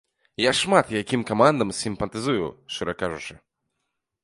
Я шмат якім камандам сімпатызую, шчыра кажучы.